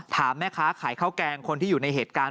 ถามแม่ค้าขายข้าวแกงคนที่อยู่ในเหตุการณ์